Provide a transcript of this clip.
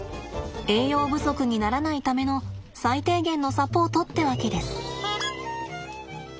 栄養不足にならないための最低限のサポートってわけです。